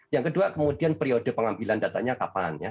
yang kedua kemudian periode pengambilan datanya kapan ya